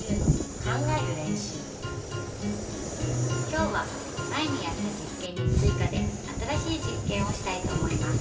今日は前にやった実験に追加で新しい実験をしたいと思います。